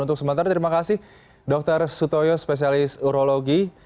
untuk sementara terima kasih dr sutoyo spesialis urologi